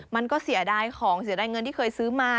มันก็เสียดายของเสียดายเงินที่เคยซื้อมา